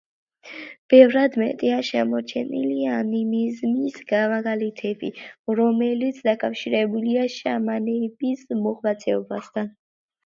ბევრად მეტია შემორჩენილი ანიმიზმის მაგალითები, რომელიც დაკავშირებულია შამანების მოღვაწეობასთან.